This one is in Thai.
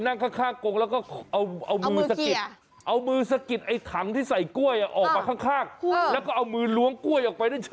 เฮ้ยเลย